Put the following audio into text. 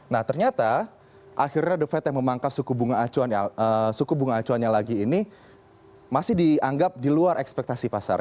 nah ternyata akhirnya the fed yang memangkas suku bunga acuannya lagi ini masih dianggap di luar ekspektasi pasar